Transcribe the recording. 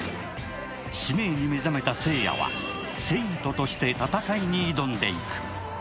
使命に目覚めた星矢は聖闘士として戦いに挑んでいく。